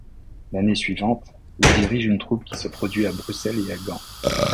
L'année suivante, elle dirige une troupe qui se produit à Bruxelles et à Gand.